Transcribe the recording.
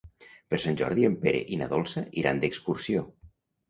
Per Sant Jordi en Pere i na Dolça iran d'excursió.